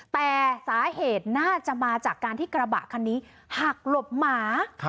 แต่สาเหตุน่าจะมาจากการที่กระบะคันนี้หักหลบหมา